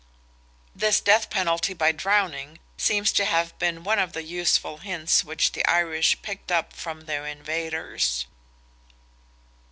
This death penalty by drowning seems to have been one of the useful hints which the Irish picked up from their invaders.